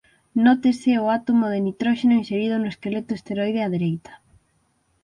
Nótese o átomo de nitróxeno inserido no esqueleto esteroide á dereita.